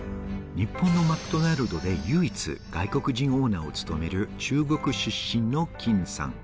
日本のマクドナルドで唯一、外国人オーナーを務める中国出身の金さん。